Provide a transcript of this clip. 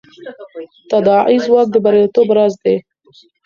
تداعي ځواک د بریالیتوب راز دی.